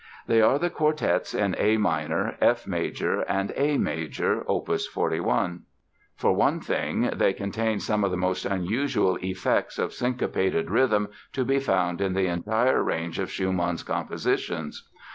They are the Quartets in A minor, F major and A major, Op. 41. For one thing, they contain some of the most unusual effects of syncopated rhythm to be found in the entire range of Schumann's compositions.